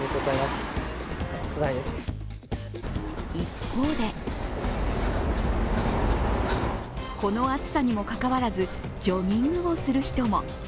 一方でこの暑さにもかかわらずジョギングをする人も。